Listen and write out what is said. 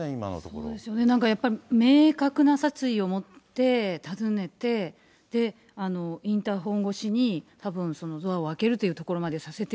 そうですね、なんか明確な殺意を持って訪ねて、インターホン越しにたぶんドアを開けるというところまでさせてい